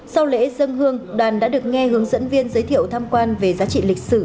sau lễ dân hương đoàn đã được nghe hướng dẫn viên giới thiệu tham quan về giá trị lịch sử